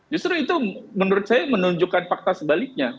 justru itu menurut saya menunjukkan fakta sebaliknya